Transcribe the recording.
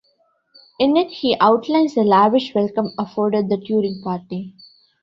In it he outlines the lavish welcome afforded the touring party.